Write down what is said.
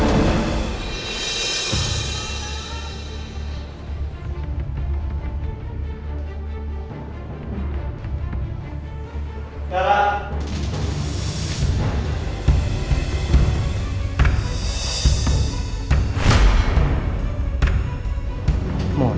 aku mau pergi